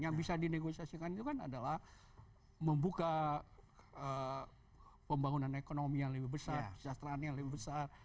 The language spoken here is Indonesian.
yang bisa dinegosiasikan itu kan adalah membuka pembangunan ekonomi yang lebih besar kesejahteraannya lebih besar